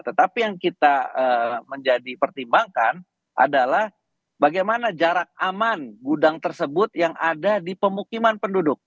tetapi yang kita menjadi pertimbangkan adalah bagaimana jarak aman gudang tersebut yang ada di pemukiman penduduk